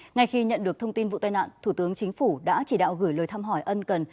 ngay khi nhận được thông tin vụ tai nạn thủ tướng chính phủ đã chỉ đạo gửi lời thăm hỏi ân cần